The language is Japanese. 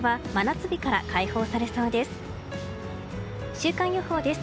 週間予報です。